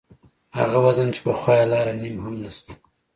هغه وزن چې پخوا یې لاره نیم هم نشته.